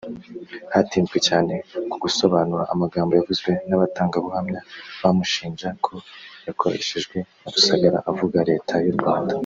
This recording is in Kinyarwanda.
Hatinzwe cyane ku gusobanura amagambo yavuzwe n’abatangabuhamya bamushinja ko yakoreshejwe na Rusagara avuga Leta y’u Rwanda